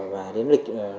và đến lịch